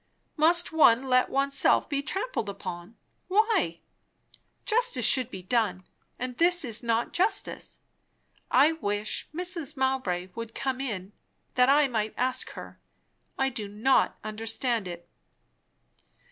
Must one let oneself be trampled upon? Why? Justice should be done; and this is not justice. I wish Mrs. Mowbray would come in, that I might ask her! I do not understand it."